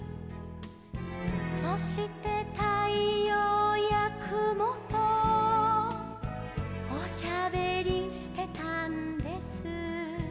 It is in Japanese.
「そしてたいようやくもとおしゃべりしてたんです」